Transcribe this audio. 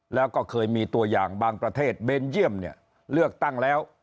แล้วก็เคยมีตัวอย่างบางประเทศเบนเยี่ยมเนี่ยเลือกตั้งแล้ว